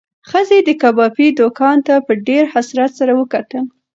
ښځې د کبابي دوکان ته په ډېر حسرت سره وکتل.